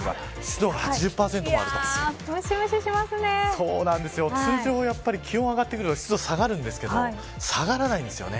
そうなんです、通常、気温が上がると湿度が下がるんですけど下がらないんです。